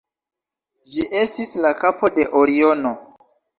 Ĝi estis la kapo de Oriono.